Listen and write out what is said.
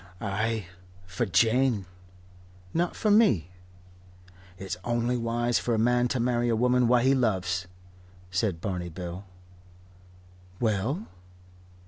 "Ay for Jane." "Not for me?" "It's only wise for a man to marry a woman what he loves," said Barney Bill. "Well?"